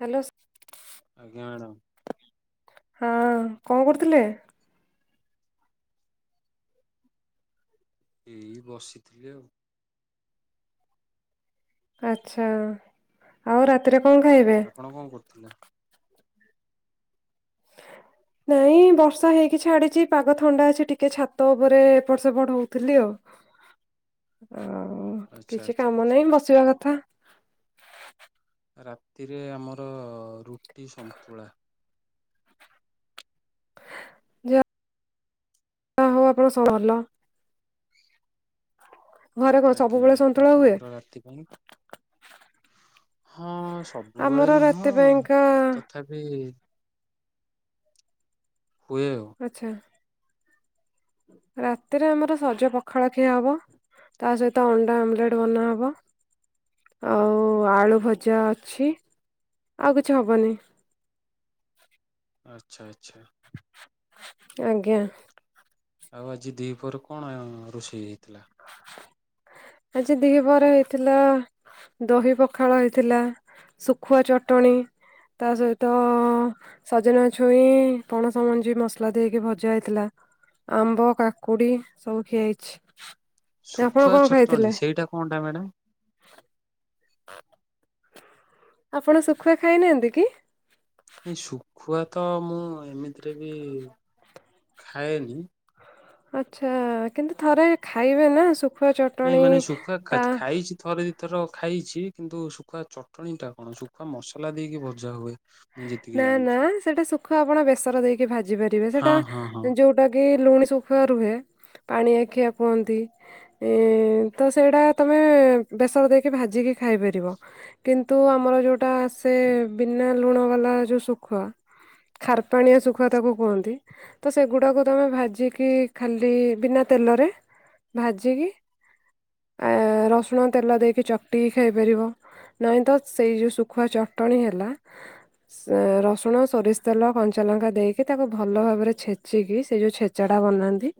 Hello ଆଜ୍ଞା madam ହଁ କଣ କରୁଥିଲେ। ଏଇ ବସିଥିଲି ଆଉ ଆଛା ଆଉ ରାତିରେ କଣ ଖାଇବେ? ଆପଣ କଣ କରୁଥିଲା। ନାଇଁ ବର୍ଷା ହେଇକି ଛାଡିଛି ପାଗ ଥଣ୍ଡା ଅଛି ଟିକେ ଛାତ ଉପରେ ଏପଟ ସେପଟ ହଉଥିଲି ଆଉ। ଆଉ ଆଚ୍ଛା କିଛି ଆଚ୍ଛା କାମ ଆଚ୍ଛା ନାହିଁ ବସିବା କଥା। ରାତିରେ ଆମର ରୁଟି ସନ୍ତୁଳା। ଯାହା। ଯା ହଉ ଆପଣ ସବୁ ଭଲ। ଘରେ କଣ ଆଜ୍ଞା ସବୁବେଳେ ସନ୍ତୁଳା ହୁଏ? ଆପଣଙ୍କର ରାତି ପାଇଁ ହଁ ଆମର ସବୁବେଳେ ରାତି ନୁହଁ ପାଇଁକା ତଥାପି। ହୁଏ ଆଉ। ଆଚ୍ଛା। ରାତିରେ ଆମର ସଜ ପଖାଳ ଖିଆହବ ତା ସହିତ ଅଣ୍ଡା ଆମଲେଟ ବନାହବ ଆଉ ଆଳୁ ଭଜା ଅଛି ଆଉ କିଛି ହବନି। ଆଚ୍ଛା ଆଚ୍ଛା। ଆଜ୍ଞା। ଆଉ ଆଜି ଦି ପହରେ କଣ ରୋଷେଇ ହେଇଥିଲା? ଆଜି ଦିହି ବରା ହେଇଥିଲା ଦହି ପଖାଳ ହେଇଥିଲା ଶୁଖୁଆ ଚଟଣି ତା ସହିତ ସଜନା ଛୁଇଁ ପଣସମଞ୍ଜି ମସଲା ଦେଇକି ଭଜା ହେଇଥିଲା ଆମ୍ବ କାକୁଡ଼ି ସବୁ ଖିଆ ହେଇଛି। ଆପଣ ଶୁଖୁଆ କଣ ଛୋଟ। ଖାଇଥିଲେ [inaudible] ସେଇଟା କଣଟା ମ୍ୟାଡାମ ଆପଣ ଶୁଖୁଆ ଖାଇନାହାନ୍ତି କି? ଏ ଶୁଖୁଆ ତ ମୁଁ ଏମିତିରେ ବି ଖାଏନି। ଆଚ୍ଛା କିନ୍ତୁ ଥରେ ଖାଇବେ ନା ଶୁ। ନାଇଁ ମାନେ ଶୁଖୁଆ ଖା ଖାଇଛି ଥରେ। ଥର ଖାଇଛି କିନ୍ତୁ ଶୁଖୁଆ ଚଟଣିଟା କଣ ଶୁଖୁଆ ମସଲା ଦେଇକି ଭଜା ହୁଏ। ମୁଁ ଯେତିକି ନା ନା ଜାଣିଛି। ସେଟା ଶୁଖୁଆ ଆପଣ ବେସର ଦେଇକି ଭାଜି ପାରିବେ ହଁ ସେଟା ହଁ ହଁ ଯୋଉଟା କି। ଲୁଣି ଶୁଖୁଆ ରୁହେ ପାଣି ଆଖିଆ କୁହନ୍ତି ତ ସେଇଟା ତମେ ବେସର ଦେଇକି ଭାଜିକି ଖାଇପାରିବ କିନ୍ତୁ ଆମର ଯେଉଁଟା ଆସେ ବିନା ଲୁଣ। କଲ ଯ ଶୁଖୁଆ ଖାର ପାଣିଆ ଶୁଖୁଆ ତାକୁ କହନ୍ତି ତ ସେଗୁଡାକୁ ତମେ ଭାଜି କି ଖାଲି ବିନା ତେଲରେ ଭାଜିକି ରସଣ ତେଲ ଦେଇକି ଚଟିକି ଖାଇପାରିବ ନାହିଁ ତ ସେଇଯ ଶୁଖୁଆ ଚଟଣି ହେଲା। ରସୁଣ ସୋରିଷ ତେଲ କଞ୍ଚା ଲଙ୍କା ଦେଇକି ତାକୁ ଭଲ ଭାବରେ ଛେଚିକି ସେ ଯୋଉ ଛେଚା ଟା ବନାନ୍ତି।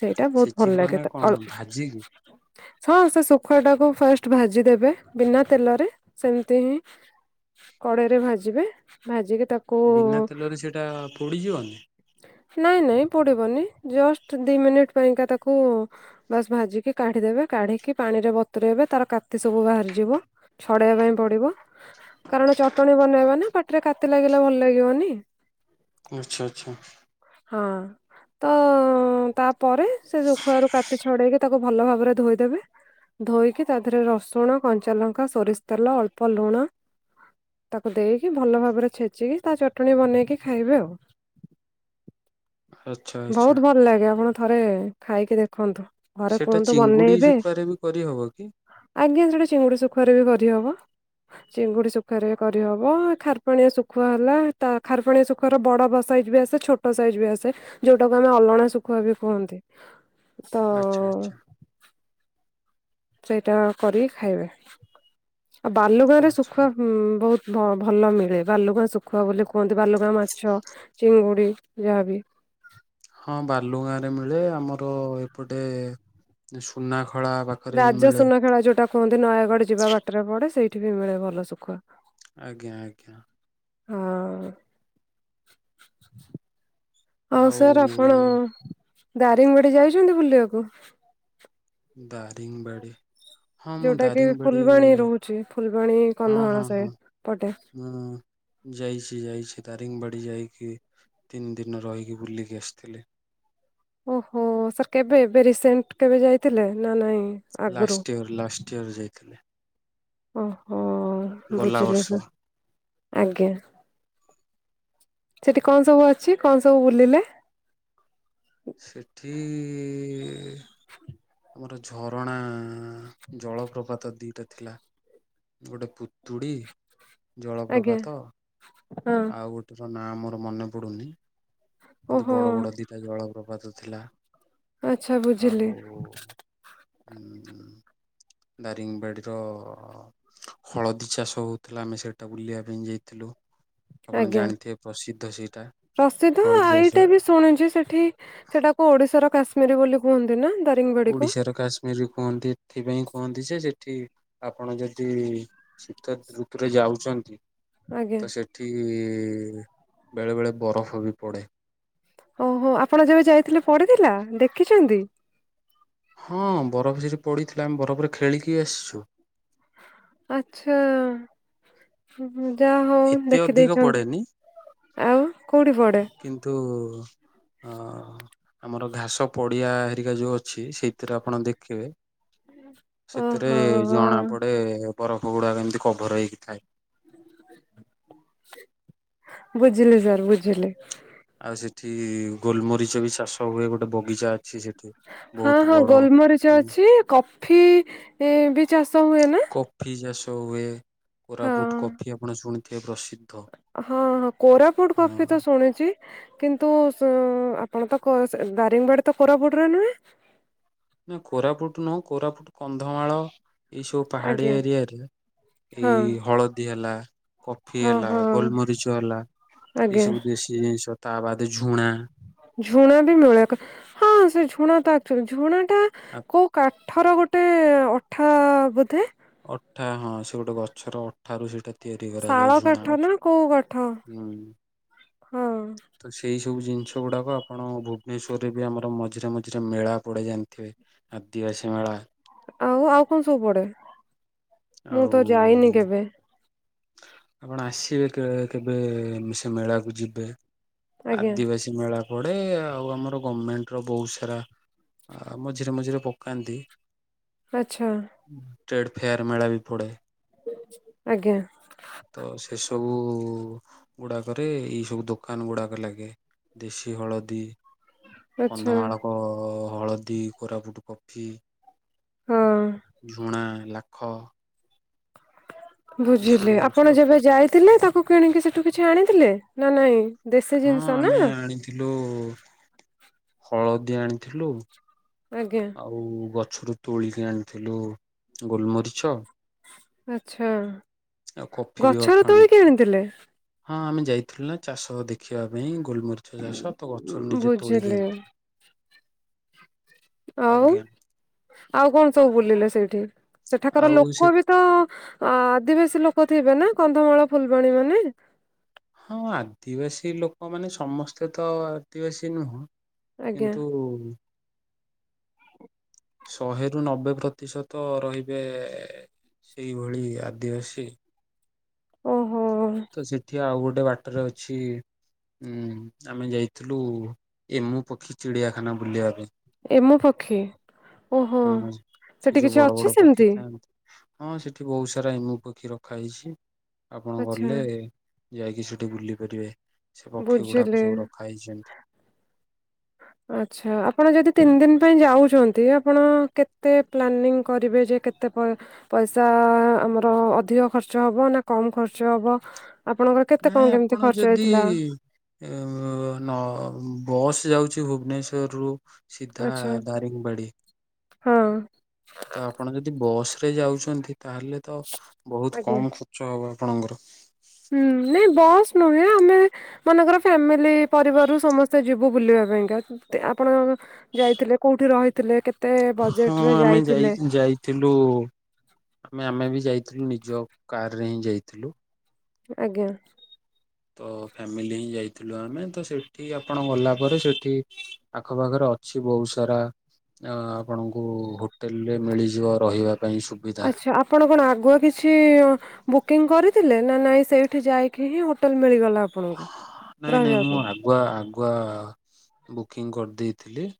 ସେଇଟା ବହୁତ ଭଲ ଛେଚିକି ଲାଗେ ମାନେ କଣ ଭାଜିକି [inaudible] ହଁ ସେ ଶୁଖୁଆ ଟାକୁ ଫାଷ୍ଟ ଭାଜି ଦେବେ ବିନା ତେଲରେ ସେମିତି ହିଁ କଡ଼େଇରେ ଭାଜିବେ। ଭାଜିବେ। ତାକୁ ବିନା ତେଲରେ ସେଇଟା ପୋଡିଯିବନି? ନାଇଁ ନାଇଁ ପୋଡିବନି। ଜଷ୍ଟ ଦୁଇ ମିନିଟ୍ ପାଇଁକା ତାକୁ ବାସ୍ ଭାଜିକି କାଢ଼ିଦେବେ କାଢ଼ିକି ପାଣିରେ ବତୁରାଇବେ ତାର କାତି ସବୁ ବାହାରିଯିବ ଛଡ଼େଇବା ପାଇଁ ପଡ଼ିବ କାରଣ ଚଟଣି ବନେଇବା ନା ବାଟ୍। [inaudible] କାତି ଲାଗିଲା ଭଲ ଲାଗିବନି। ଆଚ୍ଛା ଆଚ୍ଛା। ହଁ ତ ତା। ପରେ ସେ ଯ ଖୁଆରୁ କାତି ଛଡେଇକି ତାକୁ। ଭଲ ଭାବରେ ଧୋଇଦେବେ ଧୋଇକି ତା ଦେହରେ ରସୁଣ କଞ୍ଚା ଲଙ୍କା ସୋରିଷ ତେଲ ଅଳ୍ପ ଲୁଣ ତାକୁ ଦେଇକି। ଭଲ ଭାବରେ ଛେଚିକି ତା ଚଟଣି ବନେଇକି ଖାଇବେ ଆଉ। ଆଚ୍ଛା ଆଚ୍ଛା। ବହୁତ ଭଲ ଲାଗେ ଆପଣ। ଥରେ ଖାଇକି ଦେଖନ୍ତୁ। ଘରେ ସେଟା କୁହନ୍ତୁ ଚିଙ୍ଗୁଡି ବନେଇବେ ଶୁଖୁଆରେ ବି କରିହବ କି? ଆଜ୍ଞା ସେଠି ଚିଙ୍ଗୁଡି ଶୁଖୁଆାରେ ବି କରିହବ। ଚିଙ୍ଗୁଡି ଶୁଖୁଆ କରିହବ ଖାରପାଣିଆ ଶୁଖୁଆ ହେଲା ଖାରପଣିଆ ଶୁଖୁଆାର ବଡ ସାଇଜ ବି ଆସେ ଛୋଟ ସାଇଜ ବି ଆସେ ଯୋଉଟାକୁ ଆମେ ଅଲଣା ଶୁଖୁଆ ବି କୁହନ୍ତି ତ ଆଚ୍ଛା ଆଚ୍ଛା ସେଇଟା କରିକି ଖାଇବେ ଆଉ ବାଲୁଗୋଆଁ ରେ ଆଚ୍ଛା। ଶୁଖଆ ବହୁତ ଭଲ ମିଳେ ବାଲୁଗାଁ ଶୁଖୁଆ ବୋଲି କୁହନ୍ତି ବାଲୁଗାଁ ମାଛ ଚିଙ୍ଗୁଡି ଯାହାବି ହଁ ବାଲୁଗାଁ ରେ ମିଳେ ଆମର ଏପଟେ ସୁନାଖ ରାଜ ସୁନାଖେଳା ଯୋଉଟା କୁହନ୍ତି ନୟାଗଡ ଯିବା ବାଟରେ ପଡେ ସେଇଟା ଏଠି ବି ମିଳେ ଭଲ ସୁଖ ଆଜ୍ଞା ଆଜ୍ଞା ହଁ ହଉ ଆଉ ସାର୍ ଆପଣ ଦାରିଙ୍ଗିବଡି ଯାଇଛନ୍ତି ବୁଲିବାକୁ ଦାରିଙ୍ଗିବଡି ହଁ ମୁଁ ଯୋଉଟା କି ଦାରିଙ୍ଗବାଡି ଫୁଲବାଣୀ ରହୁଛି ଫୁଲବାଣୀ ହଁ କନ୍ଧମାଳ ହଁ ସେ ହଁ ପଟେ ମୁଁ ଯାଇଛି ଯାଇଛି ଦାରି ଦରୀଙ୍ଗିବାଡ଼ି ଯାଇକି ତିନି ଦିନ ରହିକି ବୁଲିକି ଆସିଥିଲେ ଓହୋ ସାର୍ କେବେ ଏବେ ରିସେଣ୍ଟ କେବେ ଯାଇଥିଲେ? ନା, ନାହିଁ ଆଗୁରୁ। ଇଅର ଯାଇଥିଲେ। ଓହୋ ଓ ଗଲା ବୁଝିଲେ ବର୍ଷ ସ ଆଜ୍ଞା। ସେଠି କଣ ସବୁ ଅଛି? କଣ ସବୁ ବୁଲିଲେ? ସେଠି-ଇ ଆମର ଝରଣା-ଆ ଜଳପ୍ରପାତ ଦିଟା ଥିଲା ଗୋଟେ ପୁତୁଡ଼ି, ଆଜ୍ଞା ଜଳପ୍ରପାତ ହଁ ଆଉ ଗୋଟେ ନା ମୋର ମନେ ପଡୁନି। କିନ୍ତୁ, ବଡ ବଡ ଦିଟା ଜଳ ପ୍ରପାତ ଥିଲା। ଆଛା ବୁଝିଲି। ହୁଁ। ଦାରିଙ୍ଗବାଡିର-ଅ ହଳଦୀ ଚାଷ ହଉଥିଲା ଆମେ ସେଟା ବୁଲିବା ପାଇଁ ଯାଇଥିଲୁ। ଆପଣ ଆଜ୍ଞା ଜାଣିଥିବେ ପ୍ରସିଦ୍ଧ ସେଇଟା ପ୍ରସିଦ୍ଧ ଆ ହଳଦିଆ ଏଇଟା ଶାଳ ବି ଶୁଣୁଛି ସେଠି ସେଟାକୁ ଓଡିଶାର କାଶ ମୀରି ବୋଲି କୁହନ୍ତି ନା। ଦାରିଙ୍ଗବାଡିକୁ ଓଡିଶାର କାଶ୍ମୀର କୁହନ୍ତି, ଏଥିପାଇଁ କୁହନ୍ତି ଯେ ସେ ଏଠି ଆପଣ ଯଦି ଶୀତ ଋତୁରେ ଯାଉଚନ୍ତି, ଆଜ୍ଞା ତ ସେଠି-ଇ ବେଳେ ବେଳେ ବରଫ ବି ପଡେ। ଓହୋ! ଆପଣ, ଯେବେ ଯାଇଥିଲେ ପଡିଥିଲା। ଦେଖିଛନ୍ତି। ହଁ ବରଫ ସେଠି ପଡିଥିଲା। ଆମେ ବରଫରେ ଖେଳିକି ଆସିଛୁ। ଆଚ୍ଛା ଆ, ଯାହା ହଉ ଏତେ ଅଧିକ ଦେଖିଦେଇଛନ୍ତି। ପଡେନି ଆଉ, କୋଉଠି ପଡେ? କିନ୍ତୁ -ଉ। ଅ-ଆମର ଘାସ ପଡିଆ ହେରିକା ଯୋଉ ଅଛ ଅଛି। ସେଇଥିରେ ଆପଣ ଦେଖିବେ ସେଥିରେ ଓହୋ ଜଣା ପଡେ ବରଫ ଗୁଡ଼ାକ କେମିତି କଭର ହେଇକିଥାଏ। ବୁଝିଲି ସାର୍ ବୁଝିଲି। ଆଉ ସେଠି ଗୋଲମରିଚ ବି ଚାଷ ହୁଏ। ଗୋଟେ ବଗିଚା ଅଛି ସେଠ୍ ହଁ ହଁ ଗୋଲମରିଚ ଅଛି। କଫି ବି ଚାଷ ହୁଏ ନା? ଟୱେ। ହଁ କୋରାପୁଟ କଫି ଆପଣ ଶୁଣି କେ ପ୍ରସିଦ୍। ହଁ ହଁ କୋରାପୁଟ କଫି ତ ହଁ। ଶୁଣିୁଚି। କିନ୍ତୁ ସୁଉଁ ଆପଣ ତ କ ଦାରିଙ୍ଗବାଡି ତ କୋରପୁଟ ରେ ନୁହେଁ। ନା କୋରାପୁଟ ନୁହଁ କୋରାପୁଟ କନ୍ଧମାଳ ଏଇ ସବୁ ପାହାଡିଆ ଆଜ୍ଞା। ଏରିଆରେ ହଁ ଏଇ ହଳଦୀ ହେଲା କଫି ହଁ ହେଲା ହଁ ଗୋଲମରିଚ ହେଲା ଏଇ ଆଜ୍ଞା ସବୁ ଦେଶୀ ଜିନିଷ। ତା ବାଦ ଝୁଣା। ଝୁଣା ବି ମିଳେ ହଁ ସେ ଝୁଣା ତକ୍ଚ ଝୁଣା। ଟା କୋଉ କାଠର ଗୋଟେ। ଗୋଟେ ଅଠା ବୋଧେ। ଅଠା ହଁ ସେ ଗୋଟେ ଗଛର ଅଠାରୁ ସେଇଟା। ତିଆରି କରାଯାଏ ଶାଳ ଝୁଣା କାଠ ଗଛ ନା କୋଉ କାଠ ହୁଁ। ହଁ। ଏ ସବୁ ଜିନିଷ ଗୁଡ଼ାକ ଆପଣ ଭୁବନେଶ୍ୱରରେ ବି ଆମର ମଝିରେ ମଝିରେ ମେଳା ପଡ଼େ ଜାଣିଥିବେ ଆଦିବାସୀ ମେଳା। ଆଉ ଆଉ କଣ ସବୁ ପଡେ। ମୁଁ ଆଉ ତ ଯାଇନି କେବେ। ଆପଣ ଆସିବେ କେବେ ସେ ମେଳାକୁ ଯିବେ। ଆଜ୍ଞା ଆଦିିବାସୀ ମେଳା। ପଡେ ଆଉ ଆମର ଗଭର୍ଣମେଣ୍ଟ ର ବହୁତ ସାରା ମଝିରେ ମଝିରେ ପକାନ୍ତି। ଆଚ୍ଛା। ଷ୍ଟେଟ ଫେୟର ମେଳାବି ପଡେ। ଆଜ୍ଞା ତ ସେ ସବୁ। ଓ ଗୁଡାକରେ ଏଇ ସବୁ ଦୋକାନ ଗୁଡାକ ଲାଗେ ଦେଶୀ ହଳଦୀ। ଆଚ୍ଛା କନ୍ଧମାଳକ। ହଳଦୀ କୋରାପୁଟ କଫି। ହଁ ଝୁଣା ଲ ଖ ବୁଝିଲି ଆପଣ ଯେବେ ଯାଇଥିଲେ ତାକୁ କିଣିକି ସେଠୁ କିଛି ଆଣିଥିଲେ ନା ନାଇଁ ଦେଶୀ ହଁ ଜିନିଷ ନା ଆମେ ଆଣିଥିଲୁ ହଳଦୀ ଆଣିଥିଲୁ ଆଜ୍ଞା ଆଉ ଗ ଗଛରୁ ତୋଳିକି ଆଣିଥିଲୁ ଗୋଲମରିଚ ଆଚ୍ଛା ଆଉ କଫି ବି ଅଳ୍ପ ଗଛର ତୋଳିକି ଆଣିଥିଲୁ ଆଣିଥିଲେ ହଁ ଆମେ ଯାଇଥିଲୁ ନା ଚାଷ ଦେଖିବା ପାଇଁ ଗୋଲମରିଚ ଚାଷ ତ ଗଛରୁ ନିଜେ ତୋଳିକି ବୁଝିଲି ଆଣିଥିଲୁ ଆଉ ଆଜ୍ଞା ଆଉ କଣ ସବୁ ବୁଲିଲେ ସେଇଠି ସେଠାକାର ଆଉ ସେ ଲୋକ ବି ତ ଅ ଆଦିବାସୀ ଲୋକ ଥିବେ ନା କନ୍ଧମାଳ ଫୁଲବାଣୀ ମାନେ ହଁ ଆଦିବାସୀ ଲୋକମାନୋନେ ସମସ୍ତେ ତ ଆଦିବାସୀ ନୁହଁ। ଆଜ୍ଞା କିନ୍ତୁ ଶହେରୁ ନବେ ପ୍ରତିଶତ ରହିବେ ସେଇଭଳି ଆଦିବାସୀ। ଓ। ତ ସେଠି ଆଉ ଗୋଟେ ବାଟରେ ଅଛି। ହୁଁ ଆମେ ଯାଇଥିଲୁ ଏମୁ ପକ୍ଷୀ ଚିଡିଆଖାନା ବୁଲିବା ପାଇଁ। ଏମୁ ପକ୍ଷୀ। ଓହୋ ହଁ ସେ ସେଠି ଯୋଉ କିଛି ବଡ ବଡ ଅଛି ପକ୍ଷୀ ସେମିତି ଥାନ୍ତି। ହଁ ସେଠି ବହୁତ ସାରା ଏମୁ ପକ୍ଷୀ ରଖା ହେଇଛି। ଆପଣ ଆଚ୍ଛା ଗଲେ। ଯାଇକି ସେଠି ବୁଲି ପାରିବେ। ସେ ପକ୍ଷୀ ଗୁଡାକ ବୁଝିଲି ସବୁ ରଖା ହେଇଛନ୍ତି। ଆଚ୍ଛା ଆପଣ ଯଦି ତିନି ଦିନ ପାଇଁ ଯାଉଛନ୍ତି ଆପଣ କେତେ ପ୍ଲାନିଂ କରିବେ ଯେ କେତେ ପଇସା ଆମର ଅଧିକ ଖର୍ଚ୍ଚ ହବ ନା କମ ଖର୍ଚ୍ଚ ହବ। ଆପଣଙ୍କର କେତେ କଣ ନାଇଁ କେମିତି ଆପଣ ଖର୍ଚ୍ଚ ଯଦି ହେଇଥିଲା ନ ବସ୍ ଯାଉଛି ଭୁବନେଶ୍ୱରରୁ ସିଦ୍ଧା ଆଚ୍ଛା ଦାରିଙ୍ଗବାଡ଼ି। ହଁ। ତ ଆପଣ ଯଦି ବସ। ରେ ଯାଉଛନ୍ତି। ତାହେଲେ ତ ବହୁତ ଆଜ୍ଞା କମ ଖର୍ଚ୍ଚ ହବା। ଆପଣଙ୍ଗର। ଏ ଆମେ ମାନଙ୍କର ଫ୍ୟାମିଲି ପରିବାରରୁୁ ସମସ୍ତେ ଯିବୁ ବୁଲିବା ପାଇଁକା ତେ ଆପଣ ଯାଇଥିଲେ କୋଉଠି ରହିଥିଲେ କେତ୍ ହଁ ଆମେ ଯାଇ ଯାଇଥିଲୁ ଆମେ ଆମେ ବି ଯାଇଥିଲୁ ଲି ଯଉ କାରରେ ହିଁ ଯାଇଥିଲୁ। [unintelligible] ଆଜ୍ଞା। ତ ଫ୍ୟାମିଲି ହିଁ ଯାଇଥିଲୁ ଆମେ ତ ସେଠି ଆପଣ ଗଲା ପରେ ସେଠି ଆଖପାଖରେ ଅଛି ବହୁ ସାରା ଆପଣଙ୍କୁ ହୋଟେଲରେ ମିଳିଯିବ ରହିବା ପାଇଁ ସୁବିଧା। ଆଚ୍ଛା ଆପଣ କଣ ଆଗୁଆ କିଛି ବୁକିଂ କରି ଥିଲେ ନା ନାଇ ସେଇଠି ଯାଇକି ହିଁ ହୋଟେଲ ମିଳିଗ ହଅ ନାଇଁ ନାଇଁ ମୁଁ ଆଗୁଆ ଆ ଗୁଆ ବୁକିଂ କରିଦେଇଥିଲି।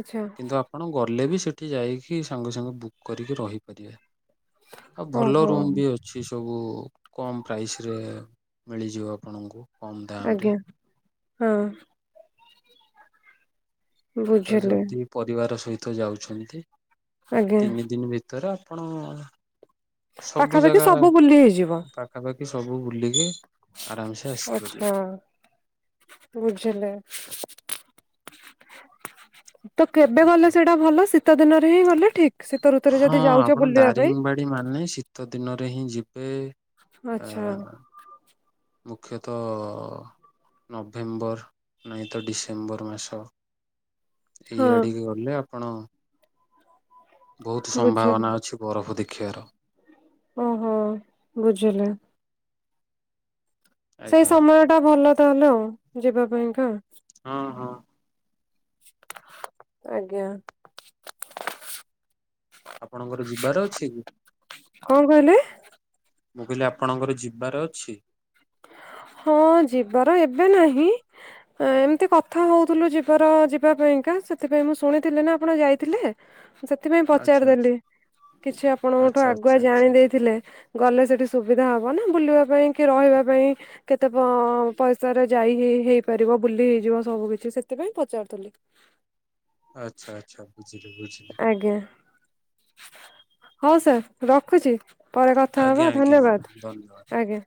ଆଚ୍ଛା କିନ୍ତୁ ଆପଣ ଗଲେ ବି ସେ ସେଠି ଯାଇକି ସାଙ୍ଗେ ସାଙ୍ଗେ ବୁକ୍ କରିକି ରହିପାରିବେ। ଆଉ ଭଲ ଓହୋ ରୁମ ବି ଅଛି ସବୁ କମ୍ ପ୍ରାଇସ୍ ରେ ମିଳିଯିବ ଆପଣଙ୍କୁ। କମ୍ ଦାମରେ। ଆଜ୍ଞା ହଁ। ତ ବୁଝିଲି ଯଦି ପରିବାର ସହି ତ ଯାଉଛନ୍ତି। ଆଜ୍ଞା ତିନି ଦିନ୍ ଭିତର ଆପଣ। ସବୁ ପାଖାପାଖି ଜାଗା ସବୁ ବୁଲି ହେଇଯିବ। ପାଖାପାଖି ସବୁ ବୁଲିକି ଆରାମସେ ଆସିପାରିବେ। ଆଚ୍ଛା [inaudible] ବୁଝିଲି। [inaudible] ତ କେବେ ଗଲେ ସେଇଟା ଭଲ ଶୀତ ଦିନରେ ହିଁ ଗଲେ ଠିକ୍ ଶୀତ ଋତୁରେ ହଁ ଯଦି ଯାଉଛ ଆପଣ ବୁଲିବା ପାଇଁ। ଦାରିଙ୍ଗବାଡି ମାନେ ଶୀତ ଦିନରେ ହିଁ ଯିବେ [inaudible] ଆଚ୍ଛା ମୁଖ୍ୟତ ନଭେମ୍ବର ନାହିଁତ ଡିସେମ୍ବର ମାସ। ଇ ହଁ ଆଡିକି ଗଲେ ଆପ୍ ଆପଣ। ବହୁତ ବୁଝିଲି ସମ୍ଭାବନା ଅଛି ବରଫ ଦେଖ୍ କ୍ଷର। ଓହୋ ବୁଝିଲି। ସେଇ ଆଜ୍ଞା ସମୟ ଟା ଭଲ ତାହେଲେ ଆଉ ଯିବା ପାଇଁକା। ହଁ ହଁ [inaudible] ଆଜ୍ଞା। [inaudible] ଆପଣଙ୍କର ଯିବାର ଅଛି କି? କଣ କହିଲେ [inaudible] ମୁଁ କହିଲି ଆପଣଙ୍କର ଯିବାର ଅଛି। ହଁ ଯିବାର ଏବେ ନାହିଁ। ଏମିତି କଥା ହଉଥିଲୁ ଯିବାର ଯିବା ପାଇଁକା ସେଥିପାଇଁ ମୁଁ ଶୁଣିଥିଲି ନା ଆପଣ ଯାଇଥିଲେ ସେଥିପାଇଁ ଆଚ୍ଛା ପଚାରିଦେଲି କିଛି ଆପଣଙ୍କଠୁ ଆଚ୍ଛା ଆଚ୍ଛା ଆଗୁଆ ଜାଣି ଆଚ୍ଛା ଦେଇେଇଥିଲେ ଗଲେ ସେଠି ସୁବିଧା ହବ। ଗଲୁ ବୁଲିବା ପାଇଁ କି ରହିବା। ପାଇଁ କେତେ ପଇସାରେ ଯାଇ ହେଇପାରିବ ବୁଲି ହେଇଯିବ ସବୁ କିଛି ସେଥିପାଇଁ ପଚାରୁଥିଲି। ଆଚ୍ଛା ଆଚ୍ଛା। ଆଚ୍ଛା। [inaudible] ଆଜ୍ଞା ହଉ ସାର୍ ରଖୁଛି। ପରେ କଥା ଆଜ୍ଞା ହବା ଆଜ୍ଞା ମ୍ୟାଡ଼ାମ ଧନ୍ୟବାଦ ଆଜ୍ଞା।